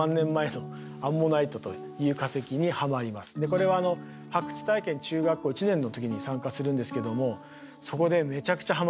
これはあの発掘体験中学校１年の時に参加するんですけどもそこでめちゃくちゃはまったんですよね。